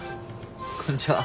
こんにちは。